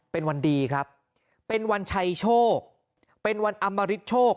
เป็นวันดีครับเป็นวันชัยโชคเป็นวันอมริตโชค